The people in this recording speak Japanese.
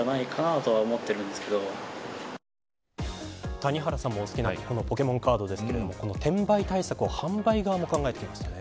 谷原さんもお好きなこのポケモンカードですが転売対策を販売側も考えてきましたね。